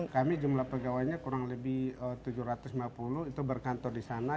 kami jumlah pegawainya kurang lebih tujuh ratus lima puluh itu berkantor di sana